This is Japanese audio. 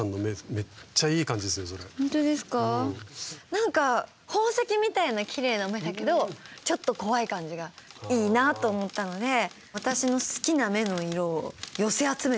なんか宝石みたいなきれいな目だけどちょっと怖い感じがいいなと思ったので私の好きな目の色を寄せ集めてる感じになってます。